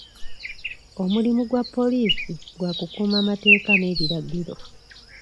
Omulimu gwa poliisi gwa kukuuma mateeka n'ebiragiro.